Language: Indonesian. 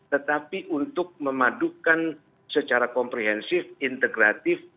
tetapi untuk memadukan secara komprehensif integratif